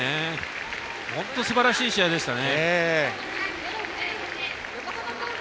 本当にすばらしい試合でした。